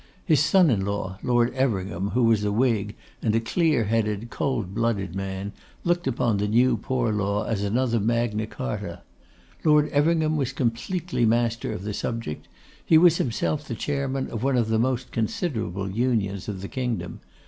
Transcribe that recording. His son in law, Lord Everingham, who was a Whig, and a clearheaded, cold blooded man, looked upon the New Poor Law as another Magna Charta. Lord Everingham was completely master of the subject. He was himself the Chairman of one of the most considerable Unions of the kingdom.